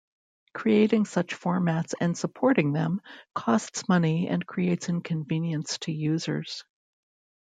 Creating such formats and supporting them costs money and creates inconvenience to users.